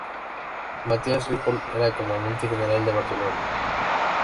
Matías Ripoll era comandante general de Barcelona.